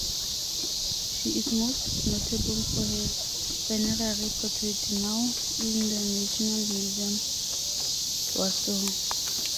She is most notable for her funerary portrait, now in the National Museum, Warsaw.